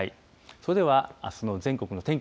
それでは、あすの全国の天気